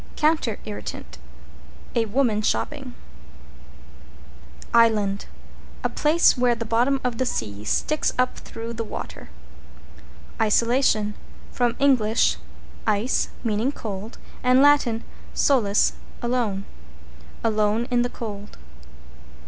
=COUNTER IRRITANT= A woman shopping. =ISLAND= A place where the bottom of the sea sticks up through the water. =ISOLATION= From Eng. ice, meaning cold, and Lat. solus, alone. Alone in the cold.